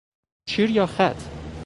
شیر یا خط؟